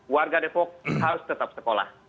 warga depok harus tetap sekolah